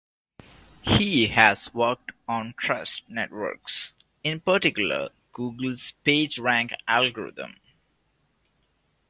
He has worked on trust networks, in particular Google's PageRank algorithm.